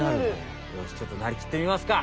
よしちょっとなりきってみますか。